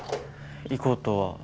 行こうとは。